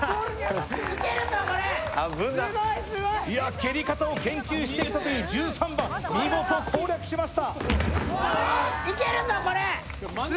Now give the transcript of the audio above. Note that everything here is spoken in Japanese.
蹴り方を研究してきたという１３番、見事攻略しました。